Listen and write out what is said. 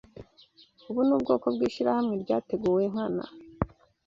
ubu ni ubwoko bwishirahamwe ryateguwe nkana